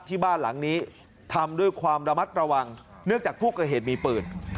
ที่บ้านหลังนี้ทำด้วยความระมัดระวังเนื่องจากผู้ก่อเหตุมีปืน